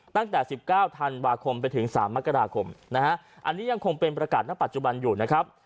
ตั้งแต่๑๙ธันวาคมไปถึง๓มกราคมนะฮะอันนี้ยังคงเป็นประกาศณปัจจุบันอยู่นะครับ